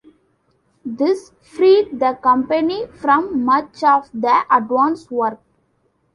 This freed the company from much of the advance work.